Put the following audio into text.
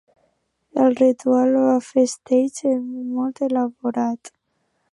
El ritual de festeig és molt elaborat.